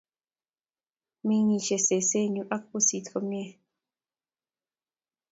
Mengishe sesennyu ak pusit komie